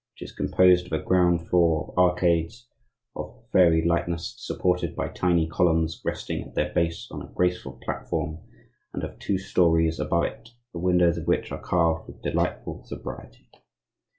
which is composed of a ground floor of arcades of fairy lightness supported by tiny columns resting at their base on a graceful platform, and of two storeys above it, the windows of which are carved with delightful sobriety.